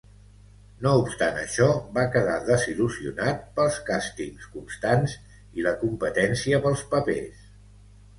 No obstant això, va quedar desil·lusionat pels càstings constants i la competència pels papers.